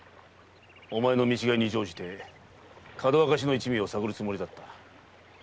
お前の見違いに乗じてかどわかしの一味を探るつもりだった。